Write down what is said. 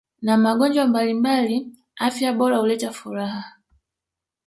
na magonjwa mbalimbali afya bora huleta furaha